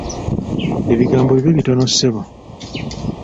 Ebigambo bibe bitono ssebo.